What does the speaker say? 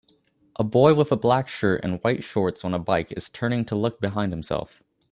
A boy with a black shirt and white shorts on a bike is turning to look behind himself